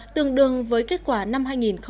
tương đương với kết quả năm hai nghìn một mươi tám